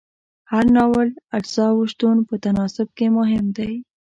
د هر ناول اجزاو شتون په تناسب کې مهم دی.